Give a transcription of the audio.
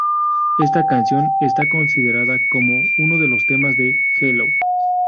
Esta canción está considerada como uno de los temas de Hello!